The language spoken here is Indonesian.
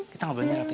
kita nggak pelanjar pi